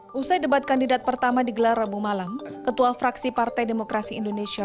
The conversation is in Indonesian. hai usai debat kandidat pertama digelar rabu malam ketua fraksi partai demokrasi indonesia